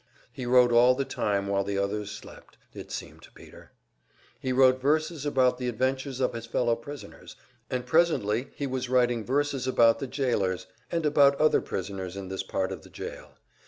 He wrote all the time while the others slept, it seemed to Peter. He wrote verses about the adventures of his fellow prisoners, and presently he was writing verses about the jailers, and about other prisoners in this part of the jail.